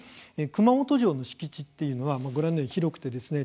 熊本城の敷地というのはご覧のように広くてですね